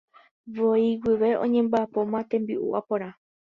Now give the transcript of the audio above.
voi guive oñemba'apóma tembi'u aporã.